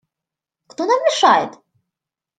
Кто нам мешает?